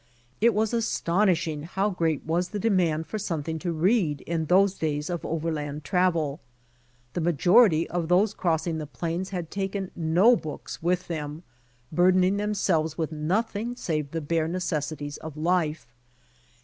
It was astonishing how great was the demand for something to read in those days of overland travel. The inajority of those crossing the plains had taken no books with them, burdening themselves with nothing save the bare necessities of life.